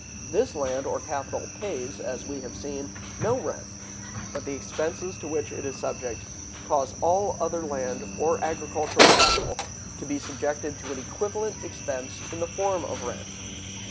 This land or capital pays, as we have seen, no rent, but the expenses to which it is subject cause all other land or agricultural capital to be subjected to an equivalent expense in the form of rent.